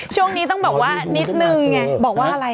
ช่วงนี้ต้องบอกว่านิดนึงไงบอกว่าอะไร